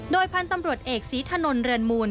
โดยพันธุ์ตำรวจเอกศรีถนนเรือนมูล